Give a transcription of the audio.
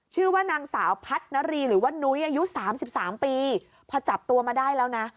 ชื่อว่านางสาวพัฒนารีหรือว่านุ้ยอายุสามสิบสามปีพอจับตัวมาได้แล้วนะ